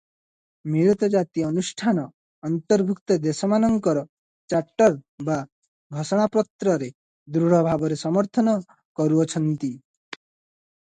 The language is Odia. ମିଳିତ ଜାତି ଅନୁଷ୍ଠାନ ଅନ୍ତର୍ଭୁକ୍ତ ଦେଶମାନଙ୍କର ଚାର୍ଟର ବା ଘୋଷଣାପତ୍ରରେ ଦୃଢ଼ ଭାବରେ ସମର୍ଥନ କରୁଅଛନ୍ତି ।